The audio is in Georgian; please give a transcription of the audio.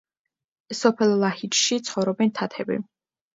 სოფელ ლაჰიჯში ცხოვრობენ თათები.